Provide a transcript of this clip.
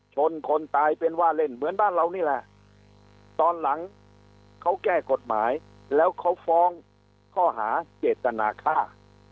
คนตายเป็นว่าเล่นเหมือนบ้านเรานี่แหละตอนหลังเขาแก้กฎหมายแล้วเขาฟ้องข้อหาเจตนาฆ่า